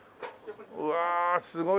うわすごいね！